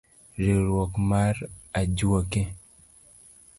Riwruok mar ajwoke.